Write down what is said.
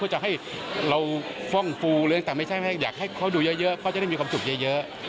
จะให้เราฟ่องฟูหรือแต่ไม่ใช่อยากให้เขาดูเยอะเขาจะได้มีความสุขเยอะ